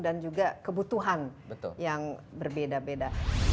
dan juga kebutuhan yang berbeda beda